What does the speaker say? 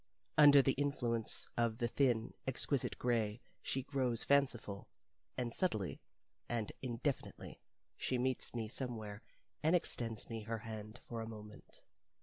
Under the influence of the thin, exquisite gray she grows fanciful, and subtly and indefinitely she meets me somewhere, and extends me her hand for a moment.